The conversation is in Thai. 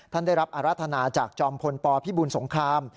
ได้รับอรรถนาจากจอมพลปพิบูลสงคราม